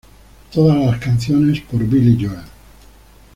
Todas las canciones por Billy Joel